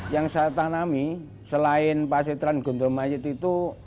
yang saya tanami selain pasitran gondomajet itu